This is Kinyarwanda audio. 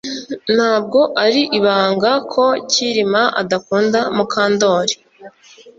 Ntabwo ari ibanga ko Kirima adakunda Mukandoli